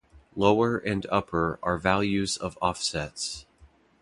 "Lower" and "upper" are values of offsets.